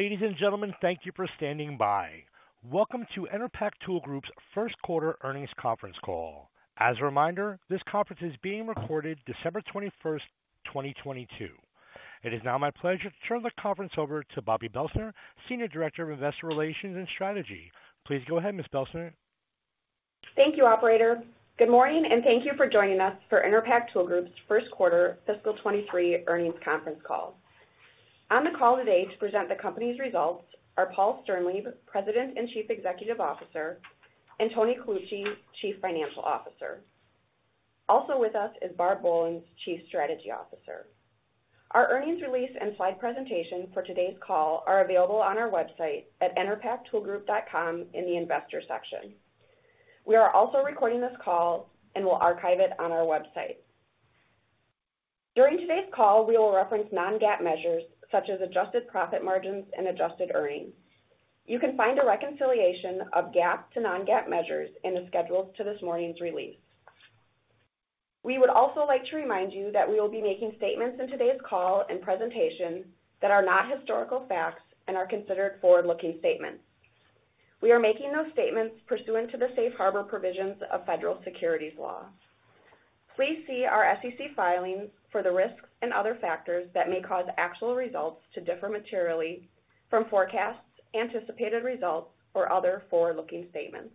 Ladies and gentlemen, thank you for standing by. Welcome to Enerpac Tool Group's first quarter earnings conference call. As a reminder, this conference is being recorded December 21st, 2022. It is now my pleasure to turn the conference over to Bobbi Belstner, Senior Director of Investor Relations and Strategy. Please go ahead, Ms. Belstner. Thank you, operator. Good morning, thank you for joining us for Enerpac Tool Group's first quarter fiscal 2023 earnings conference call. On the call today to present the company's results are Paul Sternlieb, President and Chief Executive Officer, and Tony Colucci, Chief Financial Officer. Also with us is Barb Bolens, Chief Strategy Officer. Our earnings release and slide presentation for today's call are available on our website at enerpactoolgroup.com in the Investor section. We are also recording this call and will archive it on our website. During today's call, we will reference non-GAAP measures such as adjusted profit margins and adjusted earnings. You can find a reconciliation of GAAP to non-GAAP measures in the schedules to this morning's release. We would also like to remind you that we will be making statements in today's call and presentations that are not historical facts and are considered forward-looking statements. We are making those statements pursuant to the Safe Harbor provisions of Federal Securities law. Please see our SEC filings for the risks and other factors that may cause actual results to differ materially from forecasts, anticipated results, or other forward-looking statements.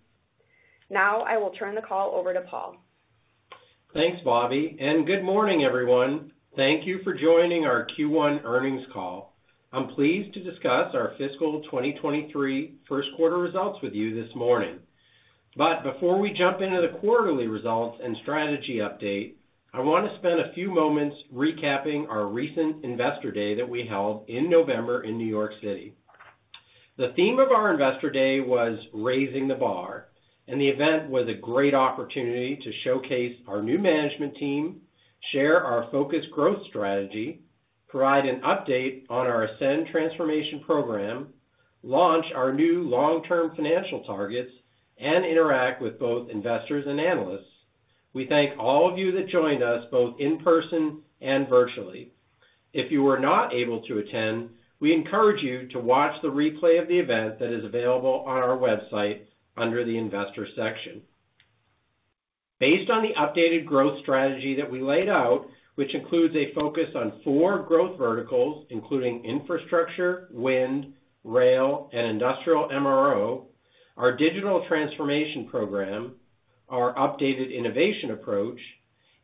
Now, I will turn the call over to Paul. Thanks, Bobbi. Good morning, everyone. Thank you for joining our Q1 earnings call. I'm pleased to discuss our fiscal 2023 first quarter results with you this morning. Before we jump into the quarterly results and strategy update, I wanna spend a few moments recapping our recent Investor Day that we held in November in New York City. The theme of our Investor Day was Raising the Bar, and the event was a great opportunity to showcase our new management team, share our focused growth strategy, provide an update on our ASCEND transformation program, launch our new long-term financial targets, and interact with both investors and analysts. We thank all of you that joined us, both in person and virtually. If you were not able to attend, we encourage you to watch the replay of the event that is available on our website under the Investor section. Based on the updated growth strategy that we laid out, which includes a focus on four growth verticals, including infrastructure, wind, rail, and industrial MRO, our digital transformation program, our updated innovation approach,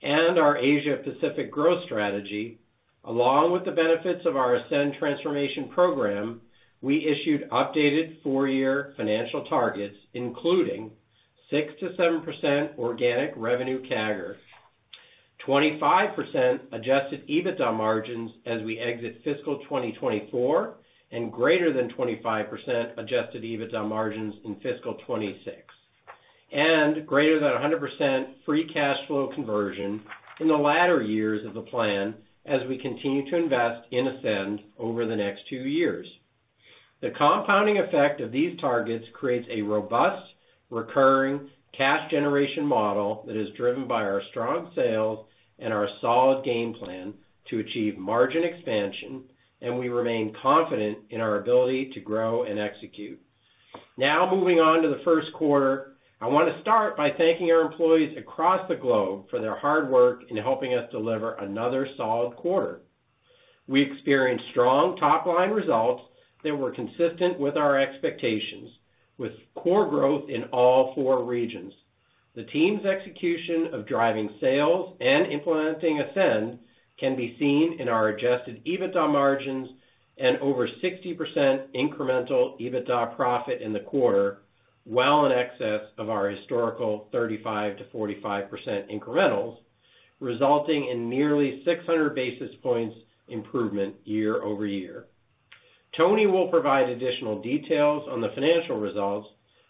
and our Asia Pacific growth strategy, along with the benefits of our ASCEND transformation program, we issued updated four-year financial targets, including 6%-7% organic revenue CAGR, 25% adjusted EBITDA margins as we exit fiscal 2024, and greater than 25% adjusted EBITDA margins in fiscal 2026, and greater than 100% free cash flow conversion in the latter years of the plan as we continue to invest in ASCEND over the next two years. The compounding effect of these targets creates a robust, recurring cash generation model that is driven by our strong sales and our solid game plan to achieve margin expansion, and we remain confident in our ability to grow and execute. Now, moving on to the first quarter. I wanna start by thanking our employees across the globe for their hard work in helping us deliver another solid quarter. We experienced strong top-line results that were consistent with our expectations, with core growth in all four regions. The team's execution of driving sales and implementing ASCEND can be seen in our adjusted EBITDA margins and over 60% incremental EBITDA profit in the quarter, well in excess of our historical 35%-45% incremental, resulting in nearly 600 basis points improvement year-over-year. Tony will provide additional details on the financial results,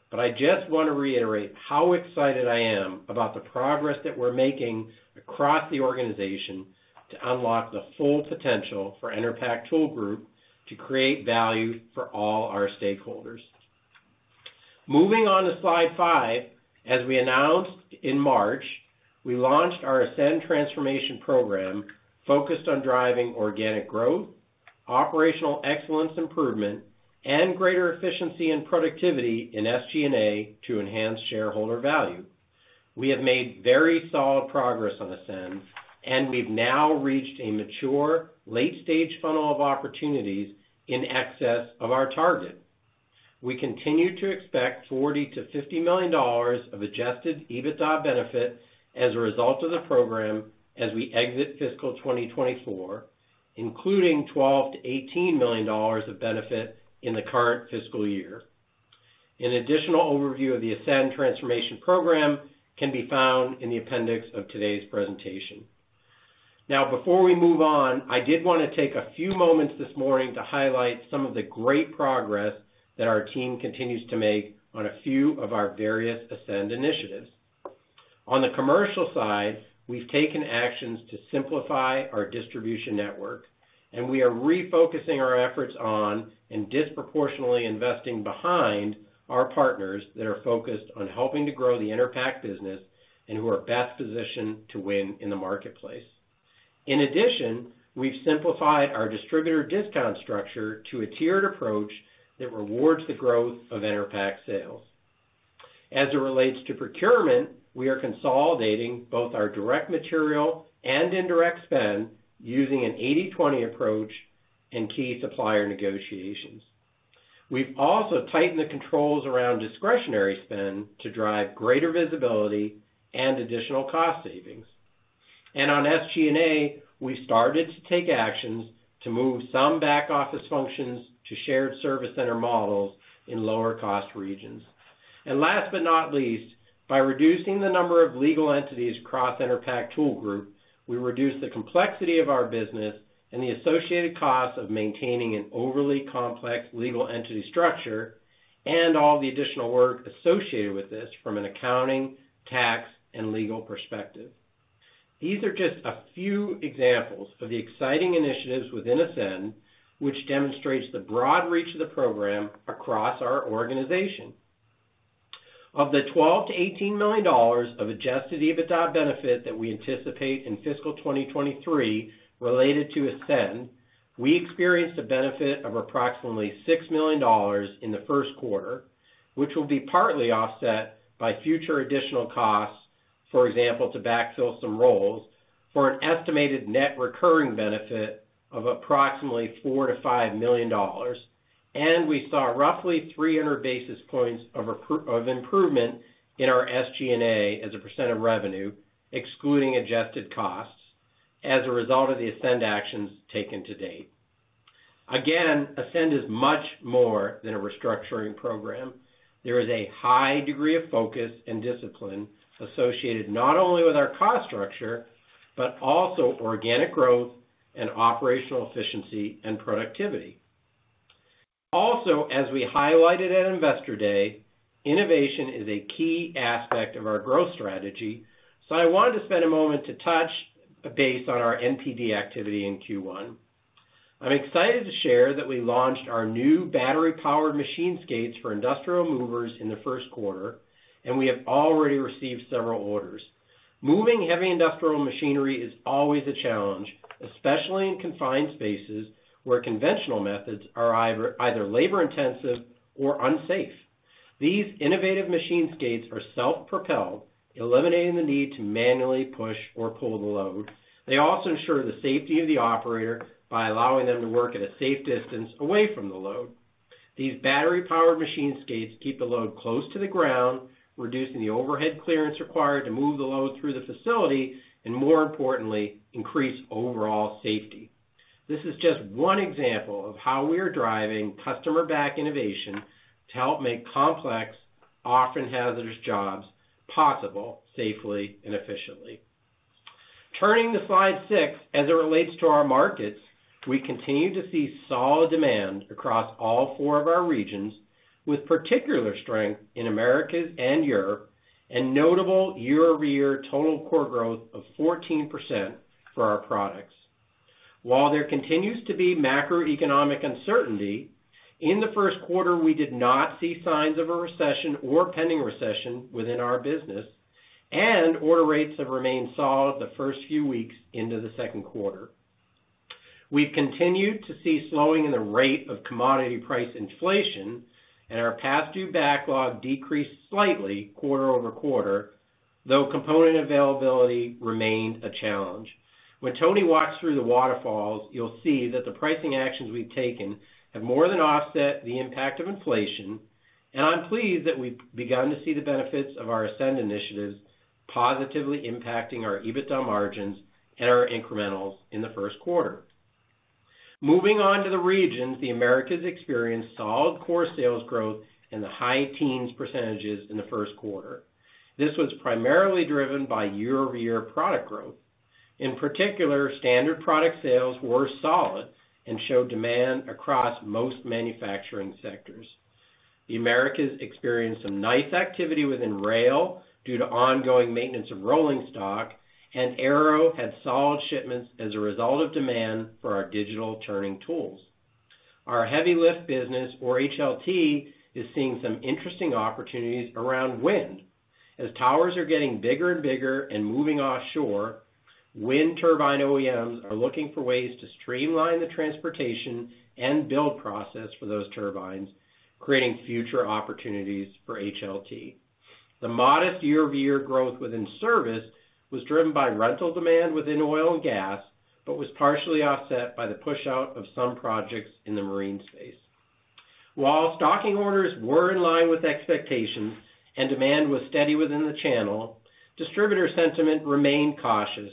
but I just want to reiterate how excited I am about the progress that we're making across the organization to unlock the full potential for Enerpac Tool Group to create value for all our stakeholders. Moving on to slide five, as we announced in March, we launched our ASCEND transformation program focused on driving organic growth, operational excellence improvement, and greater efficiency and productivity in SG&A to enhance shareholder value. We have made very solid progress on ASCEND, and we've now reached a mature late-stage funnel of opportunities in excess of our target. We continue to expect $40 million-$50 million of adjusted EBITDA benefits as a result of the program as we exit fiscal 2024, including $12 million-$18 million of benefit in the current fiscal year. An additional overview of the ASCEND transformation program can be found in the appendix of today's presentation. Before we move on, I did wanna take a few moments this morning to highlight some of the great progress that our team continues to make on a few of our various ASCEND initiatives. On the commercial side, we've taken actions to simplify our distribution network, and we are refocusing our efforts on and disproportionately investing behind our partners that are focused on helping to grow the Enerpac business and who are best positioned to win in the marketplace. In addition, we've simplified our distributor discount structure to a tiered approach that rewards the growth of Enerpac sales. As it relates to procurement, we are consolidating both our direct material and indirect spend using an 80/20 approach in key supplier negotiations. We've also tightened the controls around discretionary spend to drive greater visibility and additional cost savings. On SG&A, we started to take actions to move some back-office functions to shared service center models in lower cost regions. Last but not least, by reducing the number of legal entities across Enerpac Tool Group, we reduce the complexity of our business and the associated costs of maintaining an overly complex legal entity structure, and all the additional work associated with this from an accounting, tax, and legal perspective. These are just a few examples of the exciting initiatives within ASCEND, which demonstrates the broad reach of the program across our organization. Of the $12 million-$18 million of adjusted EBITDA benefit that we anticipate in fiscal 2023 related to ASCEND, we experienced a benefit of approximately $6 million in the first quarter, which will be partly offset by future additional costs, for example, to backfill some roles for an estimated net recurring benefit of approximately $4 million-$5 million. We saw roughly 300 basis points of improvement in our SG&A as a percent of revenue, excluding adjusted costs as a result of the ASCEND actions taken to date. Again, ASCEND is much more than a restructuring program. There is a high degree of focus and discipline associated not only with our cost structure, but also organic growth and operational efficiency and productivity. As we highlighted at Investor Day, innovation is a key aspect of our growth strategy, so I wanted to spend a moment to touch base on our NPD activity in Q1. I'm excited to share that we launched our new battery-powered machine skates for industrial movers in the first quarter, and we have already received several orders. Moving heavy industrial machinery is always a challenge, especially in confined spaces, where conventional methods are either labor-intensive or unsafe. These innovative machine skates are self-propelled, eliminating the need to manually push or pull the load. They also ensure the safety of the operator by allowing them to work at a safe distance away from the load. These battery-powered machine skates keep the load close to the ground, reducing the overhead clearance required to move the load through the facility, and more importantly, increase overall safety. This is just one example of how we are driving customer back innovation to help make complex, often hazardous jobs possible safely and efficiently. Turning to slide six, as it relates to our markets, we continue to see solid demand across all four of our regions with particular strength in Americas and Europe, and notable year-over-year total core growth of 14% for our products. While there continues to be macroeconomic uncertainty, in the first quarter, we did not see signs of a recession or pending recession within our business, and order rates have remained solid the first few weeks into the second quarter. We've continued to see slowing in the rate of commodity price inflation, and our past due backlog decreased slightly quarter-over-quarter, though component availability remained a challenge. When Tony walks through the waterfalls, you'll see that the pricing actions we've taken have more than offset the impact of inflation. I'm pleased that we've begun to see the benefits of our ASCEND initiatives positively impacting our EBITDA margins and our incremental in the first quarter. Moving on to the regions, the Americas experienced solid core sales growth in the high teens percentages in the first quarter. This was primarily driven by year-over-year product growth. In particular, standard product sales were solid and showed demand across most manufacturing sectors. The Americas experienced some nice activity within rail due to ongoing maintenance and rolling stock. Aero had solid shipments as a result of demand for our digital turning tools. Our heavy lift business, or HLT, is seeing some interesting opportunities around wind. As towers are getting bigger and bigger and moving offshore, wind turbine OEMs are looking for ways to streamline the transportation and build process for those turbines, creating future opportunities for HLT. The modest year-over-year growth within service was driven by rental demand within oil and gas, but was partially offset by the push-out of some projects in the marine space. While stocking orders were in line with expectations and demand was steady within the channel, distributor sentiment remained cautious,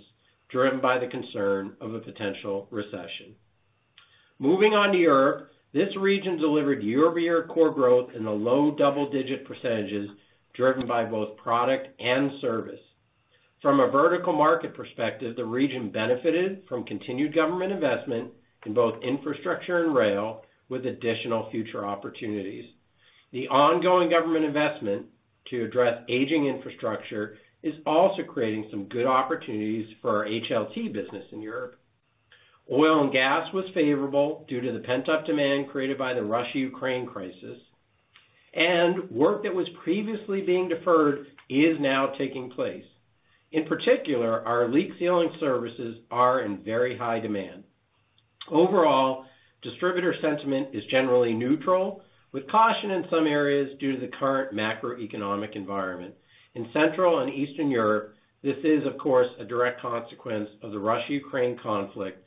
driven by the concern of a potential recession. Moving on to Europe. This region delivered year-over-year core growth in the low double-digit percentages, driven by both product and service. From a vertical market perspective, the region benefited from continued government investment in both infrastructure and rail, with additional future opportunities. The ongoing government investment to address aging infrastructure is also creating some good opportunities for our HLT business in Europe. Oil and gas was favorable due to the pent-up demand created by the Russia-Ukraine crisis, and work that was previously being deferred is now taking place. In particular, our leak sealing services are in very high demand. Overall, distributor sentiment is generally neutral, with caution in some areas due to the current macroeconomic environment. In Central and Eastern Europe, this is of course, a direct consequence of the Russia-Ukraine conflict,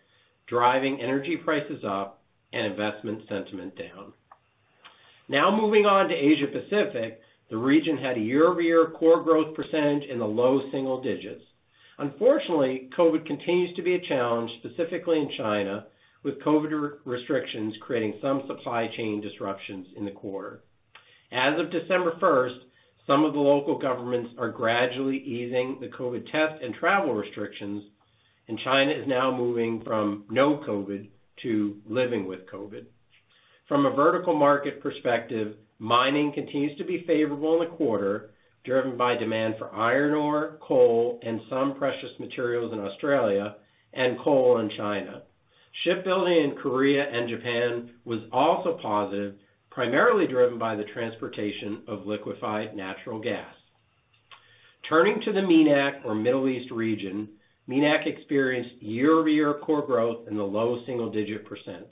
driving energy prices up and investment sentiment down. Now moving on to Asia Pacific, the region had a year-over-year core growth percentage in the low single digits. Unfortunately, COVID continues to be a challenge, specifically in China, with COVID restrictions creating some supply chain disruptions in the quarter. As of December 1st, some of the local governments are gradually easing the COVID test and travel restrictions. China is now moving from no COVID to living with COVID. From a vertical market perspective, mining continues to be favorable in the quarter, driven by demand for iron ore, coal, and some precious materials in Australia and coal in China. Shipbuilding in Korea and Japan was also positive, primarily driven by the transportation of liquefied natural gas. Turning to the MENAC or Middle East region, MENAC experienced year-over-year core growth in the low single-digit percentage.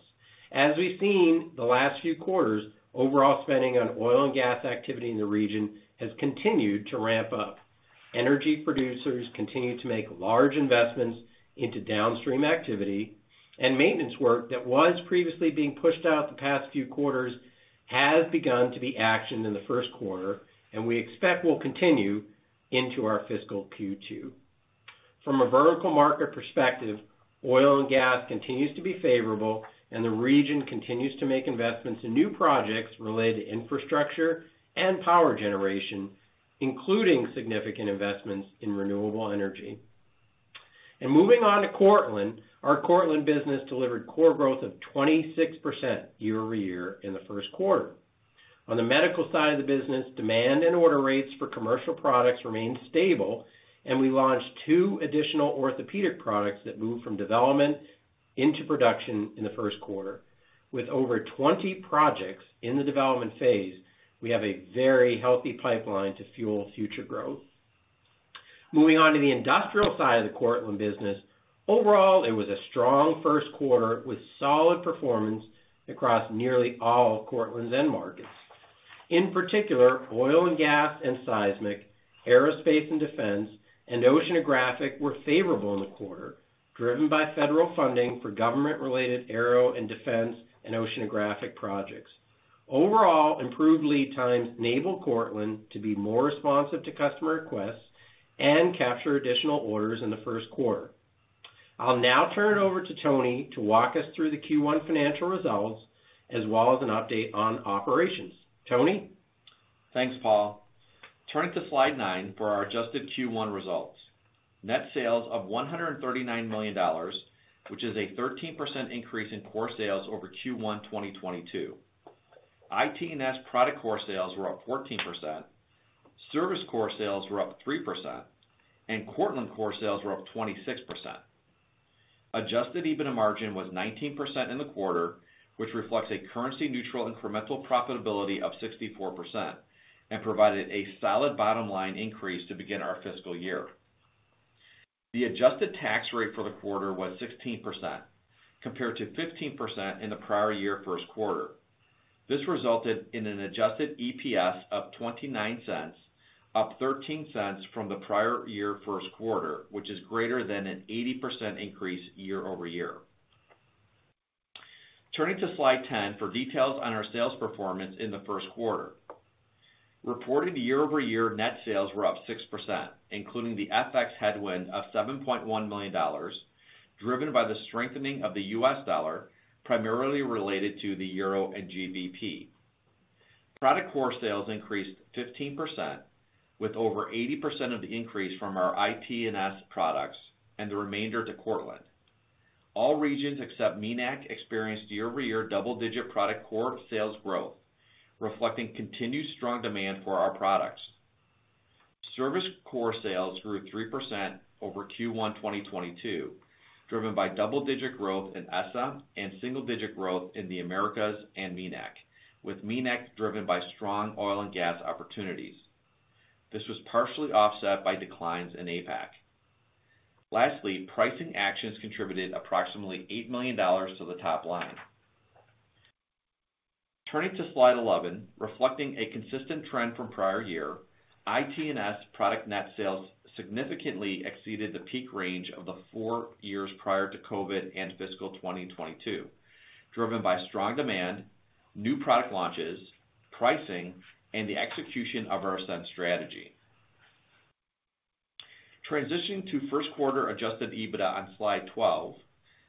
As we've seen the last few quarters, overall spending on oil and gas activity in the region has continued to ramp up. Energy producers continue to make large investments into downstream activity, maintenance work that was previously being pushed out the past few quarters has begun to be actioned in the first quarter, and we expect will continue into our fiscal Q2. From a vertical market perspective, oil and gas continues to be favorable, and the region continues to make investments in new projects related to infrastructure and power generation, including significant investments in renewable energy. Moving on to Cortland. Our Cortland business delivered core growth of 26% year-over-year in the first quarter. On the medical side of the business, demand and order rates for commercial products remained stable, and we launched two additional orthopedic products that moved from development into production in the first quarter. With over 20 projects in the development phase, we have a very healthy pipeline to fuel future growth. Moving on to the industrial side of the Cortland business. Overall, it was a strong first quarter with solid performance across nearly all of Cortland's end markets. In particular, oil and gas and seismic, aerospace and defense, and oceanographic were favorable in the quarter, driven by federal funding for government-related aero and defense and oceanographic projects. Overall, improved lead times enable Cortland to be more responsive to customer requests and capture additional orders in the first quarter. I'll now turn it over to Tony to walk us through the Q1 financial results, as well as an update on operations. Tony? Thanks, Paul. Turning to slide nine for our adjusted Q1 results. Net sales of $139 million, which is a 13% increase in core sales over Q1 2022. IT&S product core sales were up 14%. Service core sales were up 3%, and Cortland core sales were up 26%. Adjusted EBITDA margin was 19% in the quarter, which reflects a currency neutral incremental profitability of 64% and provided a solid bottom line increase to begin our fiscal year. The adjusted tax rate for the quarter was 16%, compared to 15% in the prior year first quarter. This resulted in an adjusted EPS of $0.29, up $0.13 from the prior year first quarter, which is greater than an 80% increase year-over-year. Turning to slide 10 for details on our sales performance in the first quarter. Reported year-over-year net sales were up 6%, including the FX headwind of $7.1 million, driven by the strengthening of the U.S. dollar, primarily related to the euro and GBP. Product core sales increased 15%, with over 80% of the increase from our IT&S products and the remainder to Cortland. All regions except MENAC experienced year-over-year double-digit product core sales growth, reflecting continued strong demand for our products. Service core sales grew 3% over Q1 2022, driven by double-digit growth in ESSA and single-digit growth in the Americas and MENAC, with MENAC driven by strong oil and gas opportunities. This was partially offset by declines in APAC. Lastly, pricing actions contributed approximately $8 million to the top line. Turning to slide 11, reflecting a consistent trend from prior year, IT&S product net sales significantly exceeded the peak range of the four years prior to COVID and fiscal 2022, driven by strong demand, new product launches, pricing, and the execution of our ASCEND strategy. Transitioning to first quarter adjusted EBITDA on slide 12,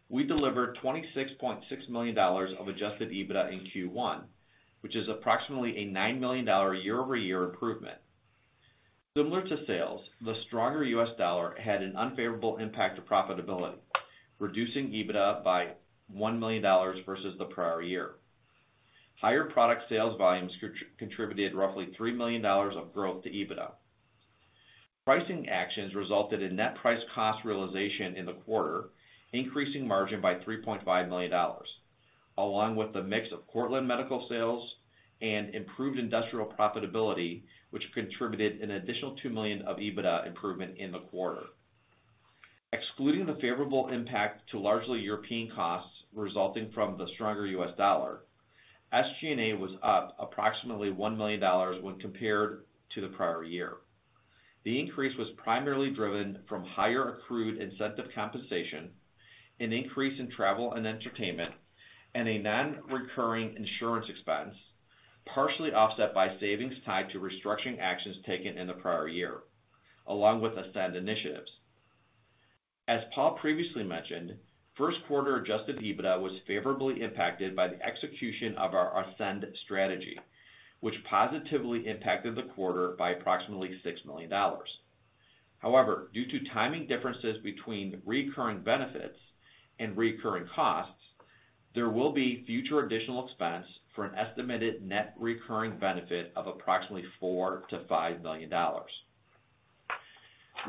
we delivered $26.6 million of adjusted EBITDA in Q1, which is approximately a $9 million year-over-year improvement. Similar to sales, the stronger U.S. dollar had an unfavorable impact to profitability, reducing EBITDA by $1 million versus the prior year. Higher product sales volumes contributed roughly $3 million of growth to EBITDA. Pricing actions resulted in net price cost realization in the quarter, increasing margin by $3.5 million, along with the mix of Cortland Biomedical sales and improved industrial profitability, which contributed an additional $2 million of EBITDA improvement in the quarter. Excluding the favorable impact to largely European costs resulting from the stronger U.S. dollar, SG&A was up approximately $1 million when compared to the prior year. The increase was primarily driven from higher accrued incentive compensation, an increase in travel and entertainment, and a non-recurring insurance expense, partially offset by savings tied to restructuring actions taken in the prior year, along with ASCEND initiatives. As Paul previously mentioned, first quarter adjusted EBITDA was favorably impacted by the execution of our ASCEND strategy, which positively impacted the quarter by approximately $6 million. Due to timing differences between recurring benefits and recurring costs, there will be future additional expense for an estimated net recurring benefit of approximately $4 million-$5 million.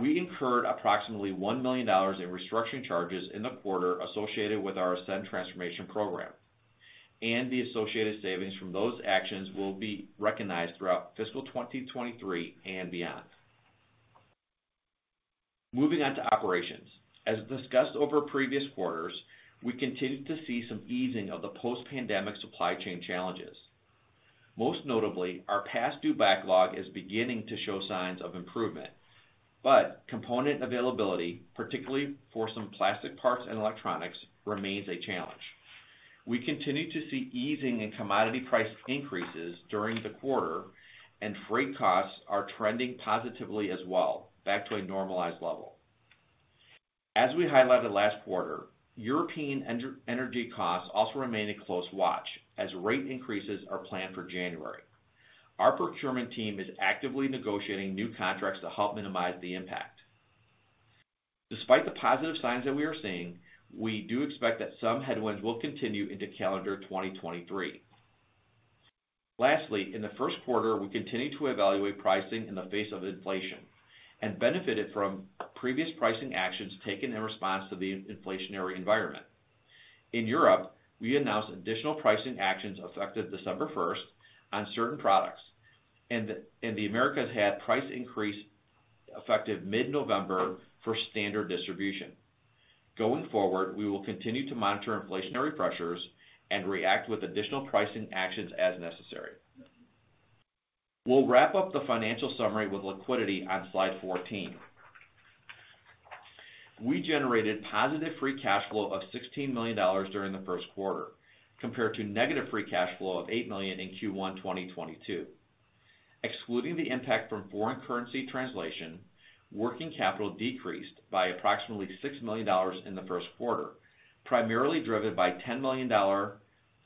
We incurred approximately $1 million in restructuring charges in the quarter associated with our ASCEND transformation program. The associated savings from those actions will be recognized throughout fiscal 2023 and beyond. Moving on to operations. As discussed over previous quarters, we continue to see some easing of the post-pandemic supply chain challenges. Most notably, our past due backlog is beginning to show signs of improvement. Component availability, particularly for some plastic parts and electronics, remains a challenge. We continue to see easing in commodity price increases during the quarter. Freight costs are trending positively as well, back to a normalized level. As we highlighted last quarter, European energy costs also remain a close watch as rate increases are planned for January. Our procurement team is actively negotiating new contracts to help minimize the impact. Despite the positive signs that we are seeing, we do expect that some headwinds will continue into calendar 2023. In the first quarter, we continued to evaluate pricing in the face of inflation and benefited from previous pricing actions taken in response to the inflationary environment. In Europe, we announced additional pricing actions effective December 1st on certain products, and the Americas had price increase effective mid-November for standard distribution. Going forward, we will continue to monitor inflationary pressures and react with additional pricing actions as necessary. We'll wrap up the financial summary with liquidity on slide 14. We generated positive free cash flow of $16 million during the first quarter, compared to negative free cash flow of $8 million in Q1 2022. Excluding the impact from foreign currency translation, working capital decreased by approximately $6 million in the first quarter, primarily driven by $10 million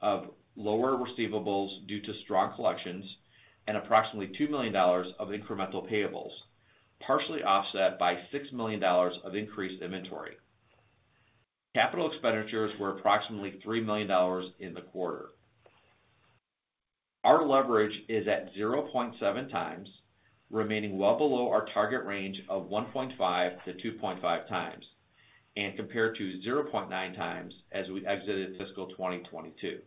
of lower receivables due to strong collections and approximately $2 million of incremental payables, partially offset by $6 million of increased inventory. Capital expenditures were approximately $3 million in the quarter. Our leverage is at 0.7x, remaining well below our target range of 1.5x-2.5x, and compared to 0.9x as we exited fiscal 2022.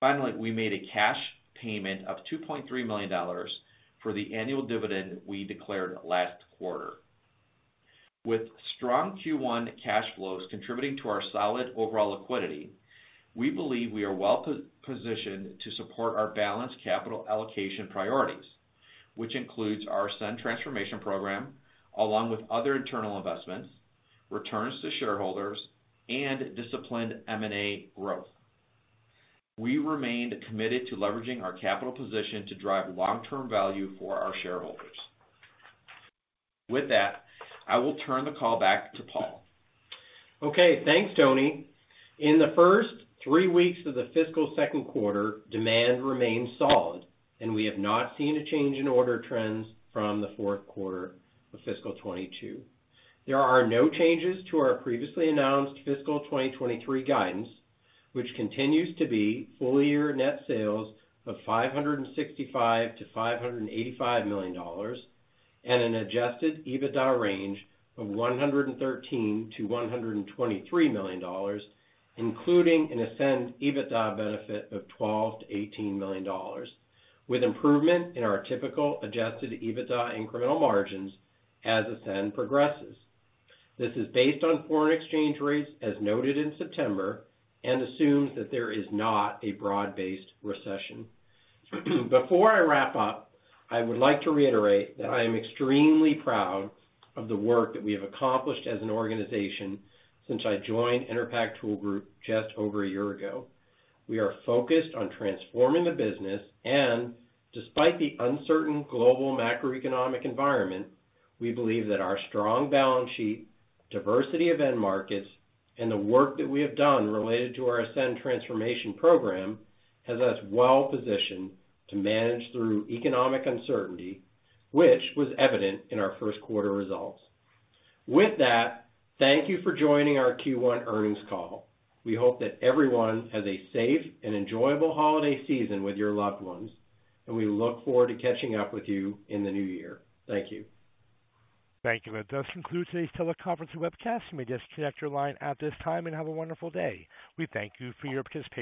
Finally, we made a cash payment of $2.3 million for the annual dividend we declared last quarter. With strong Q1 cash flows contributing to our solid overall liquidity, we believe we are well positioned to support our balanced capital allocation priorities, which includes our ASCEND transformation program, along with other internal investments, returns to shareholders, and disciplined M&A growth. We remain committed to leveraging our capital position to drive long-term value for our shareholders. With that, I will turn the call back to Paul. Okay. Thanks, Tony. In the first three weeks of the fiscal second quarter, demand remained solid, and we have not seen a change in order trends from the fourth quarter of fiscal 2022. There are no changes to our previously announced fiscal 2023 guidance, which continues to be full year net sales of $565 million-$585 million and an adjusted EBITDA range of $113 million-$123 million, including an ASCEND EBITDA benefit of $12 million-$18 million, with improvement in our typical adjusted EBITDA incremental margins as ASCEND progresses. This is based on foreign exchange rates as noted in September and assumes that there is not a broad-based recession. Before I wrap up, I would like to reiterate that I am extremely proud of the work that we have accomplished as an organization since I joined Enerpac Tool Group just over a year ago. We are focused on transforming the business, and despite the uncertain global macroeconomic environment, we believe that our strong balance sheet, diversity of end markets, and the work that we have done related to our ASCEND transformation program has us well positioned to manage through economic uncertainty, which was evident in our first quarter results. With that, thank you for joining our Q1 earnings call. We hope that everyone has a safe and enjoyable holiday season with your loved ones, and we look forward to catching up with you in the new year. Thank you. Thank you. That does conclude today's teleconference and webcast. You may disconnect your line at this time, and have a wonderful day. We thank you for your participation.